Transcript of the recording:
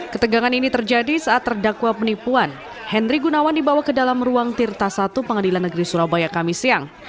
ketegangan ini terjadi saat terdakwa penipuan henry gunawan dibawa ke dalam ruang tirta satu pengadilan negeri surabaya kamis siang